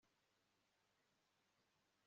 ntukavuge ibintu nkibyo